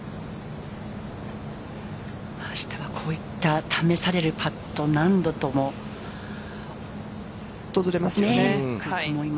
明日はこういった試されるパット訪れますよね。